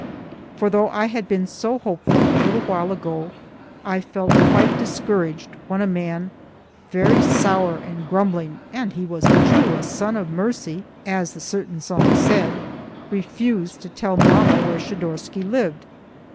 For, though I had been so hopeful a little while ago, I felt quite discouraged when a man, very sour and grumbling and he was a Jew a "Son of Mercy" as a certain song said refused to tell mamma where Schidorsky lived.